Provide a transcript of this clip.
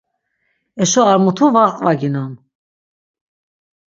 Eşo ar mutu va qvaginon.